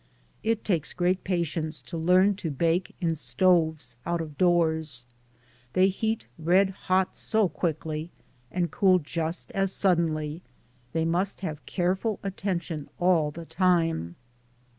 It takes great patience to learn to bake in stoves out of doors; they heat red hot so quickly, and cool just as suddenly; they must have care ful attention all the time.